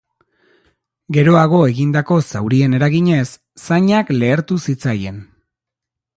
Geroago, egindako zaurien eraginez, zainak lehertu zitzaien.